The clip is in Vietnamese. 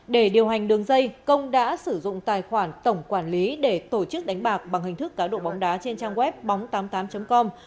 để điều hành đường dây công đã sử dụng tài khoản tổng quản lý để tổ chức đánh bạc bằng hình thức cá độ bóng đá trên trang web bóng tám mươi tám com